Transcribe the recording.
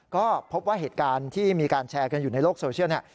ก็พบว่าเหตุการณ์ที่มีการแชร์กันอยู่ในโลกโซเชียลเนี่ย